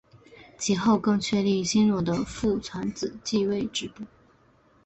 其后更确立新罗的父传子继位制度。